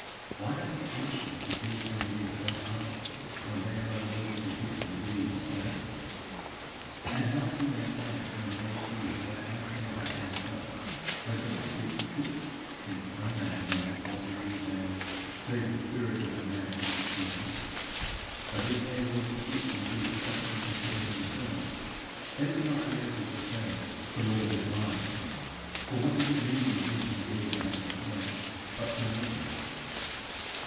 Why are they anxious to hear from me what I am, when they are unwilling to hear from thee what they are? And how can they tell when they hear what I say about myself whether I speak the truth, since no man knows what is in a man "save the spirit of man which is in him"? But if they were to hear from thee something concerning themselves, they would not be able to say, "The Lord is lying." For what does it mean to hear from thee about themselves but to know themselves?